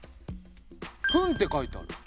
「分」って書いてある。